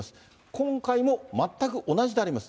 今回も全く同じであります。